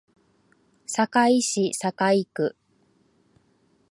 堺市堺区